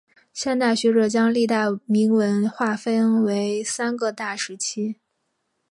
现代学者将历代铭文划分为三个大时期。